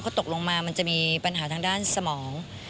พอตกลงมามันจะมีปัญหาทางด้านสมอง